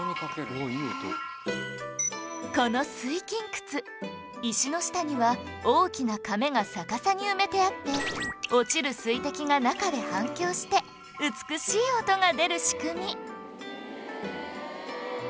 この水琴窟石の下には大きなかめが逆さに埋めてあって落ちる水滴が中で反響して美しい音が出る仕組み